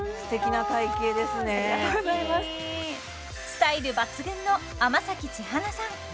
スタイル抜群の天咲千華さん